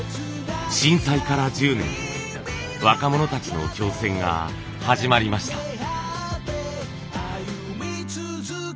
震災から１０年若者たちの挑戦が始まりました。